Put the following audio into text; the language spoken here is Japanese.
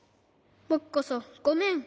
ぼくこそごめん。